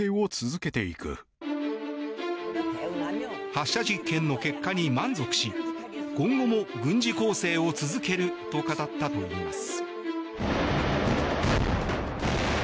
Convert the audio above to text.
発射実験の結果に満足し今後も軍事攻勢を続けると語ったといいます。